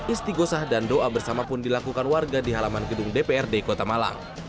isti gosah dan doa bersama pun dilakukan warga di halaman gedung dprd kota malang